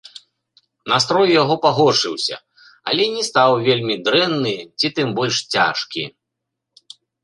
Настрой яго пагоршыўся, але не стаў вельмі дрэнны ці тым больш цяжкі.